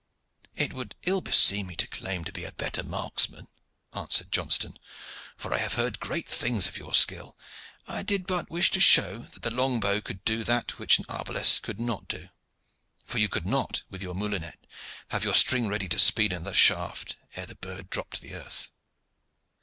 "It would ill beseem me to claim to be a better marksman," answered Johnston, "for I have heard great things of your skill. I did but wish to show that the long bow could do that which an arbalest could not do, for you could not with your moulinet have your string ready to speed another shaft ere the bird drop to the earth."